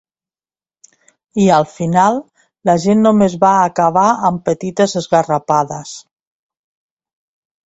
I al final, la gent només va acabar amb petites esgarrapades.